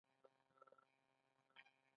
د ځنګل ساتنه د ژوند ساتنه ده